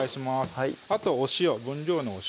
はい